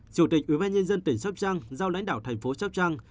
chủ tịch ubnd tỉnh sóc trăng giao lãnh đạo thành phố sóc trăng